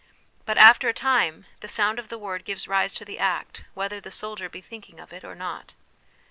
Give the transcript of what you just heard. But after a time the sound ot the word gives rise to the act, whether the soldier be thinking of it or not.